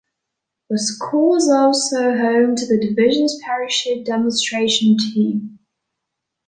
The school is also home to the Division's Parachute Demonstration Team.